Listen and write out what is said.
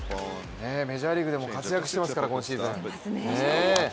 メジャーリーグでも活躍していますから、今シーズン。